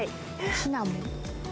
シナモン？